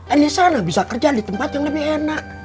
elisana bisa kerja di tempat yang lebih enak